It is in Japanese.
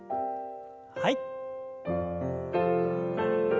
はい。